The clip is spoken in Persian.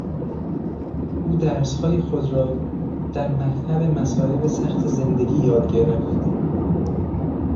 او درسهای خود را در مکتب مصایب سخت زندگی یاد گرفت.